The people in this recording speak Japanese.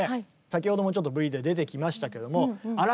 先ほどもちょっとＶで出てきましたけどもアラベスク模様。